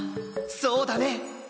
そうだね！